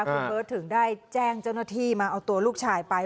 คุณเบิร์ตถึงได้แจ้งเจ้าหน้าที่มาเอาตัวลูกชายไป